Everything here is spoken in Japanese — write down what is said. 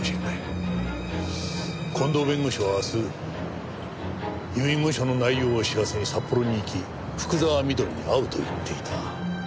近藤弁護士は明日遺言書の内容を知らせに札幌に行き福沢美登里に会うと言っていた。